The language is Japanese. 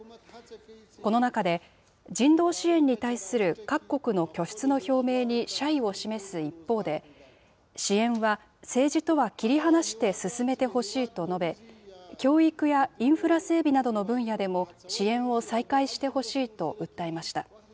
この中で、人道支援に対する各国の拠出の表明に謝意を示す一方で、支援は政治とは切り離して進めてほしいと述べ、教育やインフラ整備などの分野でも、支援を再開してほしいと訴えました。